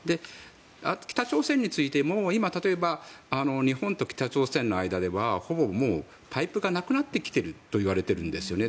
北朝鮮についても今、例えば日本と北朝鮮の間ではほぼ、パイプがなくなってきていると思うんですよね。